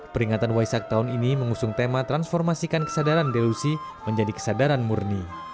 peringatan waisak tahun ini mengusung tema transformasikan kesadaran delusi menjadi kesadaran murni